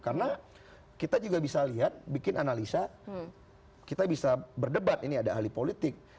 karena kita juga bisa lihat bikin analisa kita bisa berdebat ini ada ahli politik